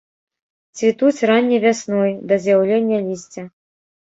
Цвітуць ранняй вясной, да з'яўлення лісця.